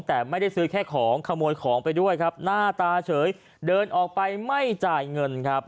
แต่ไม่ได้ซื้อแค่ของขโมยของไปด้วยครับหน้าตาเฉยเดินออกไปไม่จ่ายเงินครับ